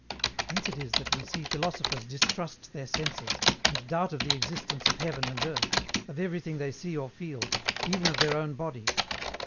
Hence it is that we see philosophers distrust their senses, and doubt of the existence of heaven and earth, of everything they see or feel, even of their own bodies.